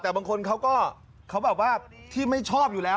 แต่บางคนเขาก็ที่ไม่ชอบอยู่แล้ว